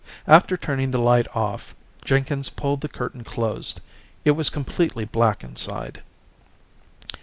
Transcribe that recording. After turning the light off, Jenkins pulled the curtain closed. It was completely black inside.